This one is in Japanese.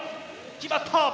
決まった！